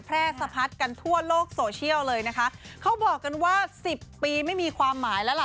แพร่สะพัดกันทั่วโลกโซเชียลเลยนะคะเขาบอกกันว่าสิบปีไม่มีความหมายแล้วล่ะ